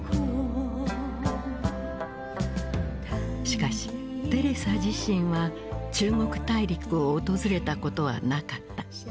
しかしテレサ自身は中国大陸を訪れたことはなかった。